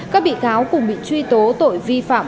các bị cáo cùng bị truy tố tội vi phạm